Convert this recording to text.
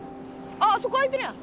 あっあそこあいてるやん！